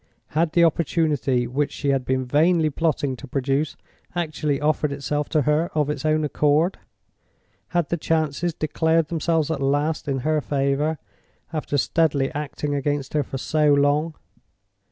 Had the opportunity which she had been vainly plotting to produce actually offered itself to her of its own accord? Had the chances declared themselves at last in her favor, after steadily acting against her for so long?